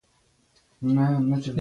نو زیات هیجان تولیدوي دا حقیقت دی.